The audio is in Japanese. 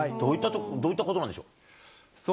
どういったことなんでしょう。